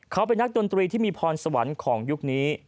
เขาเป็นนักดนตรีที่มีพรสวรรค์ของยุคนี้